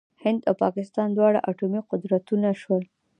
هند او پاکستان دواړه اټومي قدرتونه شول.